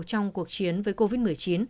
trong cuộc chiến với covid một mươi chín